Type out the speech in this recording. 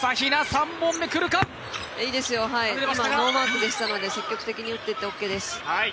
いいですよ、ノーマークでしたので積極的に打っていってオーケーです。